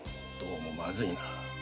どうもまずいな。